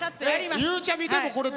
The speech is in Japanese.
ゆうちゃみでもこれどうなの？